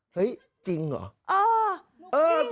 เฮ้ยจริงเหรอ